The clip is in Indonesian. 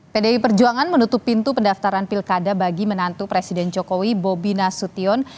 pdi perjuangan menutup pintu pendaftaran pilkada bagi menantu presiden jokowi bobi nasution